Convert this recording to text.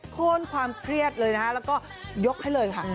โค้นความเครียดเลยนะคะแล้วก็ยกให้เลยค่ะ